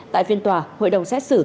tại phiên tòa hội đồng xét xét